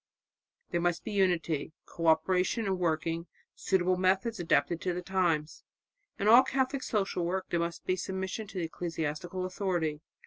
There must be unity, co operation in working, suitable methods adapted to the times. In all Catholic social work there must be submission to ecclesiastical authority.